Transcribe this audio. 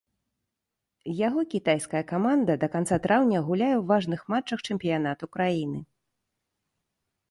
Яго кітайская каманда да канца траўня гуляе ў важных матчах чэмпіянату краіны.